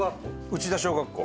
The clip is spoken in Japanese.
内田小学校？